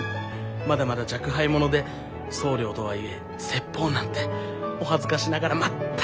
まだまだ若輩者で僧侶とはいえ説法なんてお恥ずかしながら全く自信がございません！